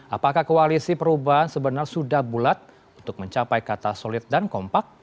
apakah koalisi perubahan sebenarnya sudah bulat untuk mencapai kata solid dan kompak